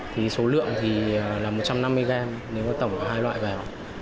thì số lượng thì là một trăm năm mươi gram nếu có tổng có hai loại vào